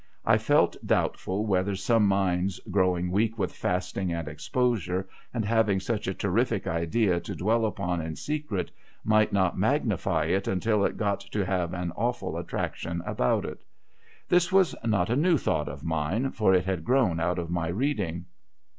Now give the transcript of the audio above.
I felt doubtful whether some minds, growing weak with fasting and exposure and having such a terrific idea to dwell upon in secret, might not magnify it until it got to have an awful attraction about it. This was not a new thought of mine, for it had grown out of my reading.